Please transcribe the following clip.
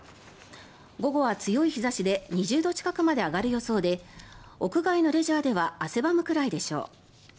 午後は強い日差しで２０度近くまで上がる予想で屋外のレジャーでは汗ばむぐらいでしょう。